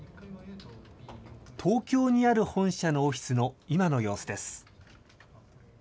東京にある本社のオフィスの今の様子です。